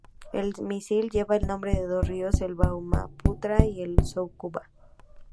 El misil lleva el nombre de dos ríos, el Brahmaputra y el Moskva.